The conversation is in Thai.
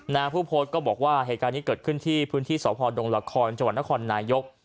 ผู้โพสต์ก็บอกว่าเหตุการณ์นี้เกิดขึ้นที่พื้นที่สพดงละครจังหวัดนครนายก